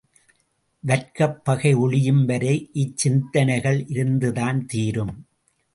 வர்க்கப் பகை ஒழியும் வரை இச்சிந்தனைகள் இருந்துதான் தீரும்.